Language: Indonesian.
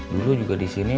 dulu juga disini